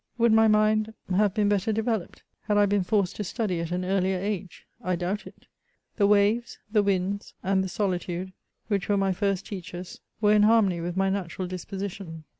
Would my mind have been better developed, had I been forced to study at an earlier age ? I doubt it ; the waves, the winds, and the solitude, which were my first teachers, were in harmony with my natural disposition.